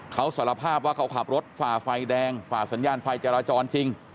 เขาสารภาพว่าเขาขับรถฝ่าไฟแดงฝ่าสัญญาณไฟจราจรจริง